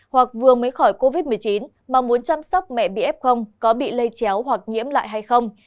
hoặc vừa mới khỏi covid một mươi chín mà muốn chăm sóc mẹ bị f có bị lây chéo hoặc nhiễm lại hay không